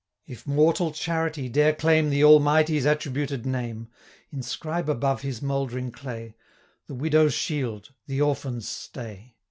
If mortal charity dare claim The Almighty's attributed name, 145 Inscribe above his mouldering clay, 'The widow's shield, the orphan's stay.'